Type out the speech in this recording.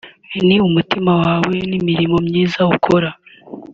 ni umutima wawe n’imirimo myiza ukora